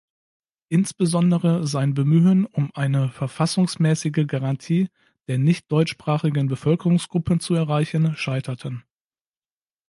Insbesondere sein Bemühen um eine verfassungsmäßige Garantie der nichtdeutschsprachigen Bevölkerungsgruppen zu erreichen, scheiterten.